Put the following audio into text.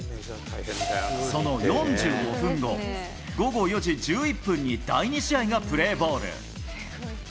その４５分後、午後４時１１分に第２試合がプレーボール。